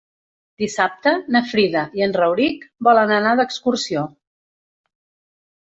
Dissabte na Frida i en Rauric volen anar d'excursió.